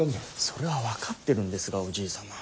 それは分かってるんですがおじい様。